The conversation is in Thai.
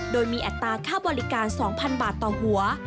โดยมีอัตราค่าบริการ๒๐๐๐บาทต่อหัว